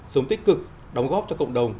sống tích cực đóng góp cho cộng đồng